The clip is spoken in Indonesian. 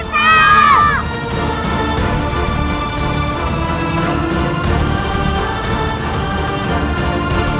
pak hasi kasih atas